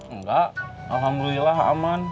enggak alhamdulillah aman